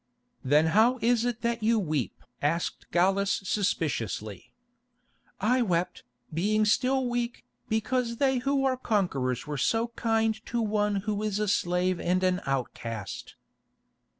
"Then how is it that you weep?" asked Gallus suspiciously. "I wept, being still weak, because they who are conquerors were so kind to one who is a slave and an outcast."